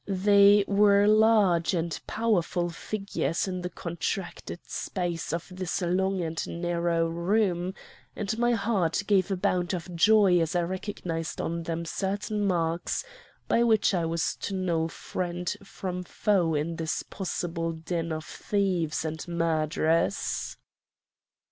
They were large and powerful figures in the contracted space of this long and narrow room, and my heart gave a bound of joy as I recognized on them certain marks by which I was to know friend from foe in this possible den of thieves and murderers.